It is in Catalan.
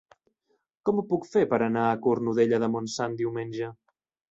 Com ho puc fer per anar a Cornudella de Montsant diumenge?